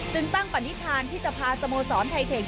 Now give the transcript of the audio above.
ตั้งปณิธานที่จะพาสโมสรไทเทค